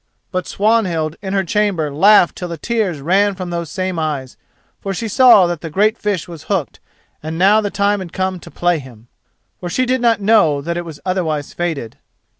But Swanhild in her chamber laughed till the tears ran from those same eyes, for she saw that the great fish was hooked and now the time had come to play him. For she did not know that it was otherwise fated.